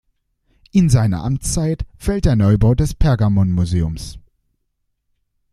In seine Amtszeit fällt der Neubau des Pergamonmuseums.